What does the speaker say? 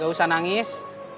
gak usah nangis